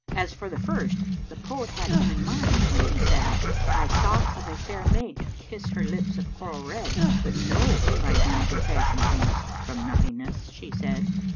As for the first, the poet had him in mind when he said,[FN#461] 'I sought of a fair maid to kiss her lips of coral red, But, 'No, by Him who fashioned things from nothingness!' she said.